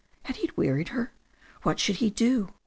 Had he wearied her? What should he do?